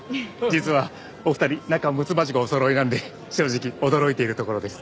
実はお二人仲むつまじくおそろいなんで正直驚いているところです。